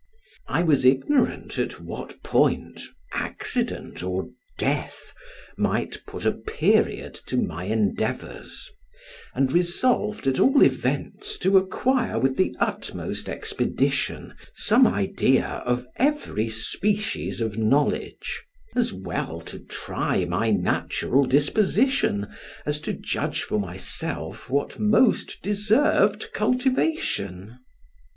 I was ignorant at what point accident or death might put a period to my endeavors, and resolved at all events to acquire with the utmost expedition some idea of every species of knowledge, as well to try my natural disposition, as to judge for myself what most deserved cultivation.